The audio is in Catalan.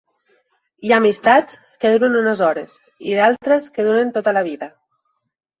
Hi ha amistats que duren unes hores i d'altres que duren tota la vida.